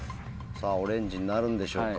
オレンジになるんでしょうか？